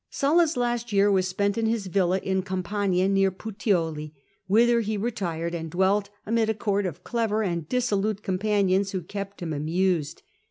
Sulla's last year was spent in his villa in Campania, near Puteoli, whither he retired and dwelt amid a court of clever and dissolute companions who kept him amused.